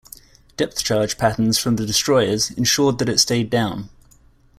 Depth charge patterns from the destroyers insured that it stayed down.